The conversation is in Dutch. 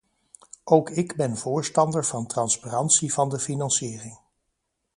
Ook ik ben voorstander van transparantie van de financiering.